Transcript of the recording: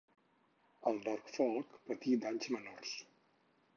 El Norfolk patí danys menors.